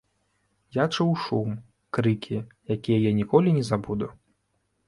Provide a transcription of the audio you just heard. Я чуў шум, крыкі, якія я ніколі не забуду.